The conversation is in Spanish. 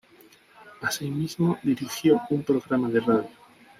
Asimismo dirigió un programa de radio.